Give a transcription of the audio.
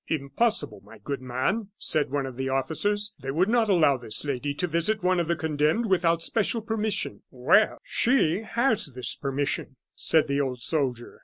"Impossible, my good man," said one of the officers; "they would not allow this lady to visit one of the condemned without special permission " "Well, she has this permission," said the old soldier.